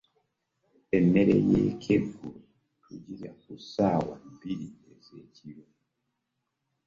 Emmere yekyegulo tugirya kusawa bbiri ezekiro.